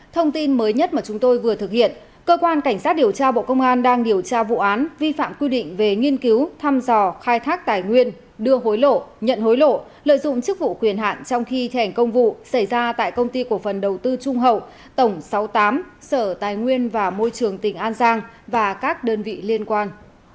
thông tin mới nhất mà chúng tôi vừa thực hiện cơ quan cảnh sát điều tra bộ công an đang điều tra vụ án vi phạm quy định về nghiên cứu thăm dò khai thác tài nguyên đưa hối lộ nhận hối lộ lợi dụng chức vụ quyền hạn trong khi thành công vụ xảy ra tại công ty cổ phần đầu tư trung hậu tổng sáu mươi tám sở tài nguyên và môi trường tỉnh an giang và các đơn vị liên quan